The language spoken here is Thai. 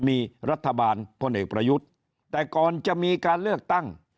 มีรัฐบาลพลเอกประยุทธ์แต่ก่อนจะมีการเลือกตั้ง